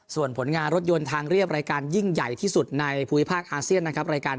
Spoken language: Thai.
ส่วนผลงานรถยนต์ทางเรียบรายการยิ่งใหญ่ที่สุดในภูมิภาคอาเซียนนะครับรายการ